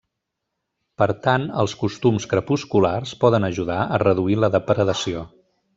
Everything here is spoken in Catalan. Per tant, els costums crepusculars poden ajudar a reduir la depredació.